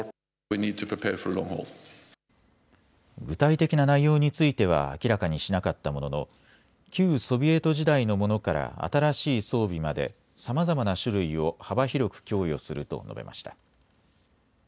具体的な内容については明らかにしなかったものの旧ソビエト時代のものから新しい装備までさまざまな種類を幅広く供与すると述べました。